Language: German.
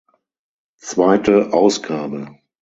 Zweite Ausgabe.